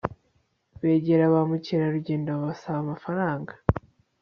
Begera ba mukerarugendo babasaba amafaranga